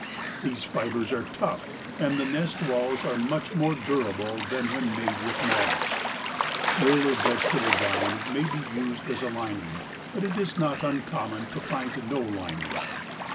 These fibers are tough and the nest walls are much more durable than when made with moss. Wool or vegetable down may be used as a lining, but it is not uncommon to find no lining.